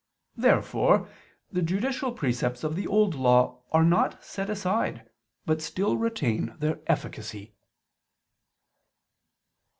Therefore the judicial precepts of the Old Law are not set aside, but still retain their efficacy.